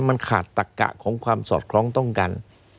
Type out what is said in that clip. มันขาดตักกะของความสอดคล้องต้องกัน